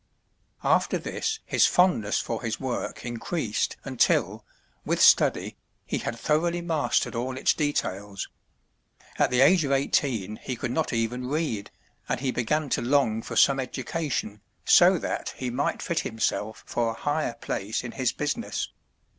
After this his fondness for his work increased until, with study, he had thoroughly mastered all its details. At the age of eighteen he could not even read, and he began to long for some education, so that he might fit himself for a higher place in his business.